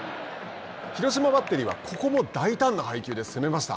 広島バッテリーは、ここも大胆な配球で攻めました。